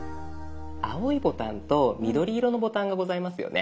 青いボタンと緑色のボタンがございますよね。